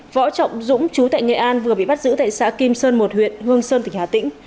võ trọng dũng chú tại nghệ an vừa bị bắt giữ tại xã kim sơn một huyện hương sơn tỉnh hà tĩnh